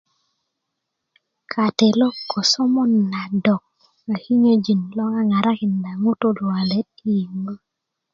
Katelok ko smot nan dok a kinyojin lo ŋaŋarakinda ŋutu' luwalet lo yi yuŋö